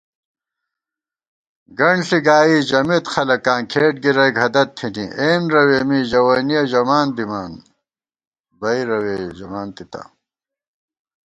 گنٹ ݪی گائی ژمېت خلَکاں، کھېٹ گِرَئیک ہَدَت تھنی * اېن روے می ژوَنِیَہ ژَوان دِمان، بئ روے ژَمان تِتا